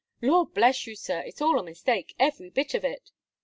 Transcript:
"Law bless you, Sir! it's all a mistake, every bit of it."